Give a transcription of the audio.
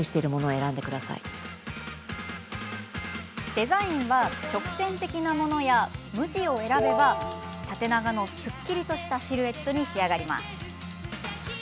デザインは、直線的なものや無地を選べば縦長のすっきりとしたシルエットに仕上がります。